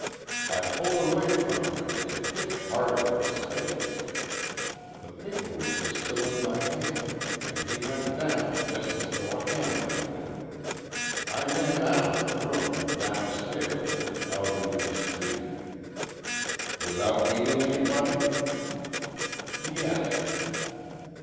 I pulled away from him and hit hard at his face. The paper weight was still in my hand and he went down just as though a hammer had hit him. I ran out of the room, downstairs, and out into the street." "Without meeting anybody?" "Yes."